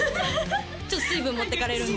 ちょっと水分持ってかれるんでね